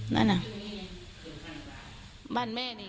นั่นน่ะ